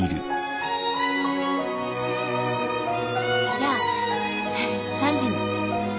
じゃあ３時に。